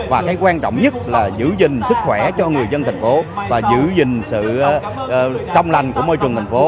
và cái quan trọng nhất là giữ gìn sức khỏe cho người dân thành phố và giữ gìn sự trong lành của môi trường thành phố